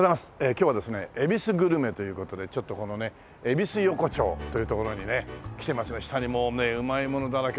今日はですね恵比寿グルメという事でちょっとこのね恵比寿横丁という所に来てますが下にもうねうまいものだらけ。